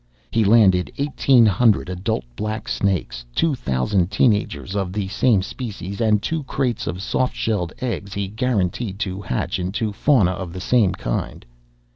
He landed eighteen hundred adult black snakes, two thousand teen agers of the same species, and two crates of soft shelled eggs he guaranteed to hatch into fauna of the same kind.